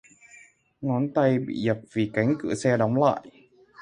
Ngón tay bị dập vì cánh cửa xe đóng lại